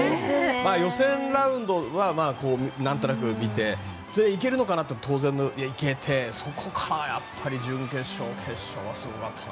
予選ラウンドは何となく見ていけるのかなと思っていたら当然いけてそこからやっぱり準決勝、決勝すごかったな。